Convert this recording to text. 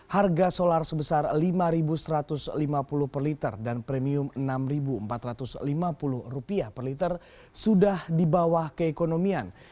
harga solar sebesar rp lima satu ratus lima puluh per liter dan premium rp enam empat ratus lima puluh per liter sudah di bawah keekonomian